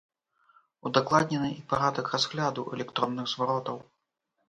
Удакладнены і парадак разгляду электронных зваротаў.